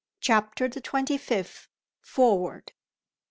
CHAPTER THE TWENTY FIFTH. FORWARD.